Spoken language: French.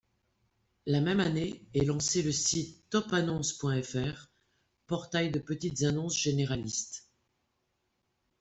La même année est lancé le site topannonces.fr, portail de petites annonces généraliste.